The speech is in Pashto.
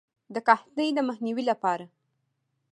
د قحطۍ د مخنیوي لپاره.